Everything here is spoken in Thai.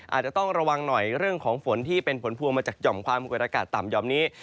อาจจะต้องระวังหน่อยเรื่องของฝนที่เป็นผลพวงมาจากหย่อมความกดอากาศต่ำหย่อมนี้